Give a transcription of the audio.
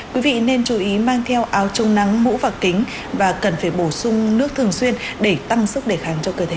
quý vị nên chú ý mang theo áo trông nắng mũ và kính và cần phải bổ sung nước thường xuyên để tăng sức đề kháng cho cơ thể